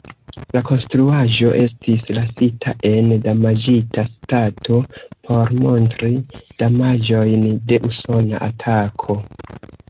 La konstruaĵo estis lasita en damaĝita stato, por montri damaĝojn de usona atako.